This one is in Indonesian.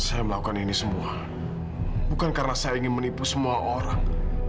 saya melakukan ini semua bukan karena saya ingin menipu semua orang